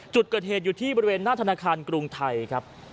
จุดเกิดเหตุอยู่ที่บริเวณหน้าธนาคารกรุงไทยครับ